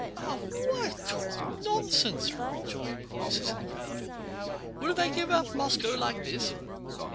"Why talk nonsense?" rejoined voices in the crowd. "Will they give up Moscow like this?